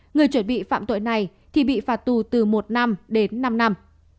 người chuẩn bị phạm tội này thì bị phạt tù từ một năm đến năm năm